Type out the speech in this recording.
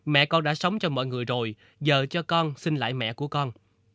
mẹ con đã sống cho mọi người rồi giờ cho con sinh lại mẹ của con